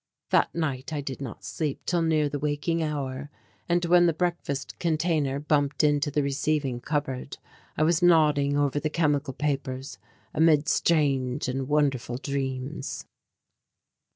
That night I did not sleep till near the waking hour, and when the breakfast container bumped into the receiving cupboard I was nodding over the chemical papers amid strange and wonderful dreams.